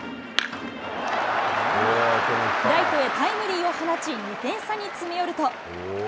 ライトへタイムリーを放ち、２点差に詰め寄ると。